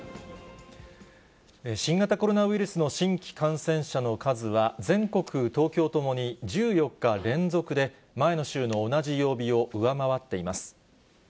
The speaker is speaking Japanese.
新型コロナウイルスの新規感染者の数は全国、東京ともに、１４日連続で前の週の同じ曜日を上回っています。